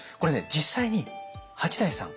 実際に八大さん